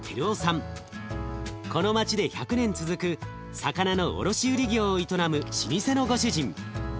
この町で１００年続く魚の卸売業を営む老舗のご主人。